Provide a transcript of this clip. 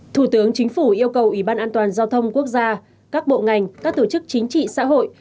thủ tướng chính phủ yêu cầu ủy ban an toàn giao thông quốc gia các bộ ngành các tổ chức chính trị xã hội